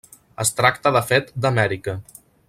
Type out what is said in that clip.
Es tracta de fet d'Amèrica.